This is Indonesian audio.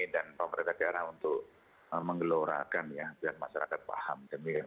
dan pemerintah daerah untuk menggelorakan ya biar masyarakat paham